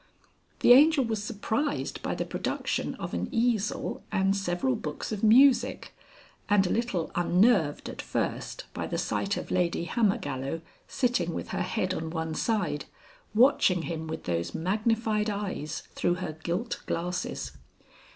The Angel was surprised by the production of an easel and several books of music, and a little unnerved at first by the sight of Lady Hammergallow sitting with her head on one side, watching him with those magnified eyes through her gilt glasses.